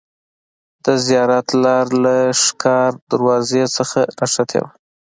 د زیارت لار له ښکار دروازې څخه نښتې وه.